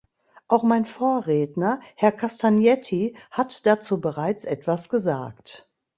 Auch mein Vorredner, Herr Castagnetti, hat dazu bereits etwas gesagt.